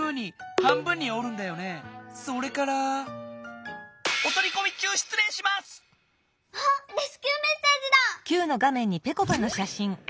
はっレスキューメッセージだ！